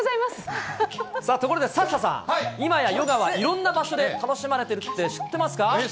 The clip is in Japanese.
ところでサッシャさん、今やヨガは、いろんな場所で楽しまれてるって知ってますか？